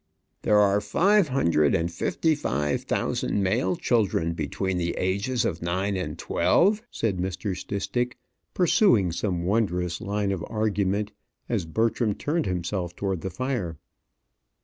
"There are five hundred and fifty five thousand male children between the ages of nine and twelve," said Mr. Stistick, pursuing some wondrous line of argument, as Bertram turned himself towards the fire.